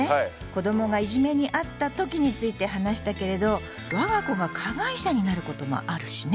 「子どもがいじめにあったとき」について話したけれど我が子が加害者になることもあるしね。